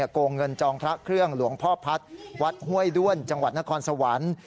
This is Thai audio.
โกงเงินจองพระเครื่องหลวงพ่อพัฒน์วัดห้วยด้วนจังหวัดนครสวรรค์